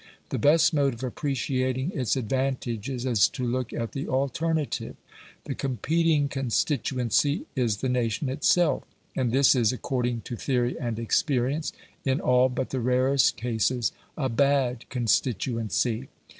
The best mode of appreciating its advantages is to look at the alternative. The competing constituency is the nation itself, and this is, according to theory and experience, in all but the rarest cases, a bad constituency.